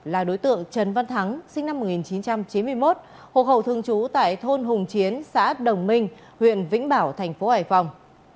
là đối tượng trần văn thắng sinh năm một nghìn chín trăm chín mươi một hộ khẩu thường trú tại thôn hùng chiến xã đồng minh huyện vĩnh bảo thành phố hải phòng